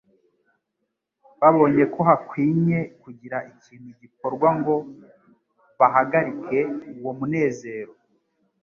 babonye ko hakwinye kugira ikintu gikorwa ngo bahagarike uwo munezero.